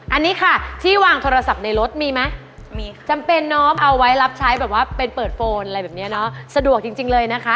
อันนี้ค่ะที่วางโทรศัพท์ในรถมีไหมมีค่ะจำเป็นเนาะเอาไว้รับใช้แบบว่าเป็นเปิดโฟนอะไรแบบนี้เนาะสะดวกจริงเลยนะคะ